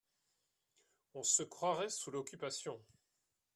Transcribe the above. On se croirait sous l’Occupation